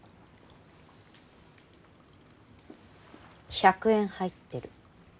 １００円入ってる。